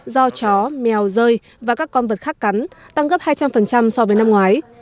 do chó mèo rơi và các con vật khác cắn tăng gấp hai trăm linh so với năm ngoái